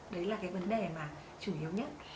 đấy là cái vấn đề mà chủ yếu nhất